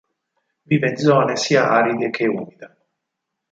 Vive in zone sia aride che umide.